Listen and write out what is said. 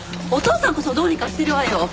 お父さんこそどうにかしてるわよ！